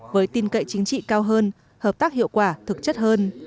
với tin cậy chính trị cao hơn hợp tác hiệu quả thực chất hơn